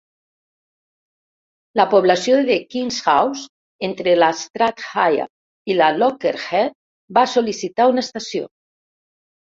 La població de Kingshouse, entre la Strathyre i la Lochearnhead, va sol·licitar una estació.